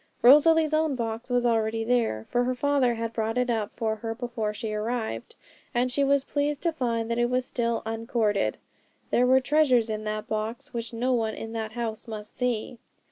Rosalie's own box was already there; her father had brought it up for her before she arrived, and she was pleased to find that it was still uncorded. There were treasures in that box which no one in that house must see!